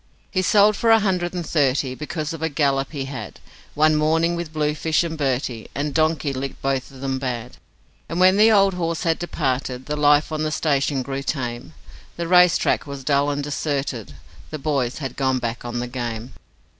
He sold for a hundred and thirty, Because of a gallop he had One morning with Bluefish and Bertie, And donkey licked both of 'em bad. And when the old horse had departed, The life on the station grew tame; The race track was dull and deserted, The boys had gone back on the game.